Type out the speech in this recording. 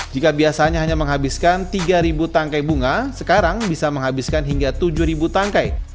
jika biasanya hanya menghabiskan tiga tangkai bunga sekarang bisa menghabiskan hingga tujuh tangkai